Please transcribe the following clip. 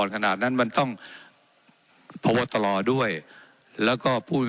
เจ้าหน้าที่ของรัฐมันก็เป็นผู้ใต้มิชชาท่านนมตรี